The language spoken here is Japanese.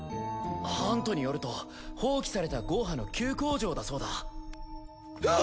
ハントによると放棄されたゴーハの旧工場だそうだ。